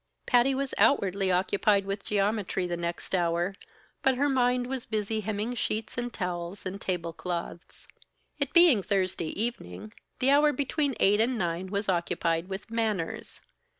Patty was outwardly occupied with geometry the next hour, but her mind was busy hemming sheets and towels and tablecloths. It being Thursday evening, the hour between eight and nine was occupied with "manners."